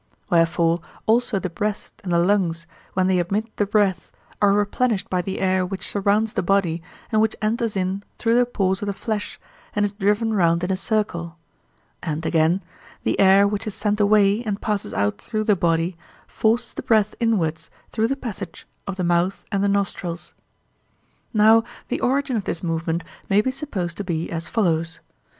Wherefore also the breast and the lungs, when they emit the breath, are replenished by the air which surrounds the body and which enters in through the pores of the flesh and is driven round in a circle; and again, the air which is sent away and passes out through the body forces the breath inwards through the passage of the mouth and the nostrils. Now the origin of this movement may be supposed to be as follows.